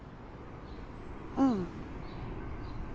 うん。